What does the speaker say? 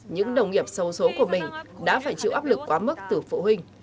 những đồng nghiệp sâu số của mình đã phải chịu áp lực quá mức từ phụ huynh